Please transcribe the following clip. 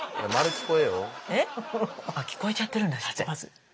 聞こえちゃってるんですって。